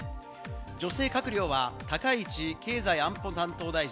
女性閣僚は高市経済安保担当大臣。